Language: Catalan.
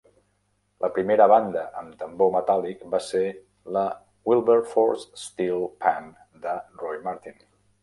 La primera banda amb tambor metàl·lic va ser la Wilberforce Steel Pan de Roy Martin.